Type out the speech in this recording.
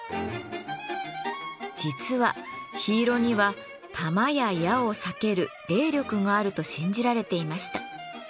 実は緋色には弾や矢を避ける霊力があると信じられていました。